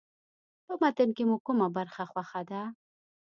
په متن کې مو کومه برخه خوښه ده.